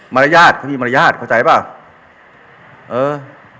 รยาทเขามีมารยาทเข้าใจเปล่าเออ